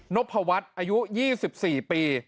พวัฒน์อายุ๒๔ปี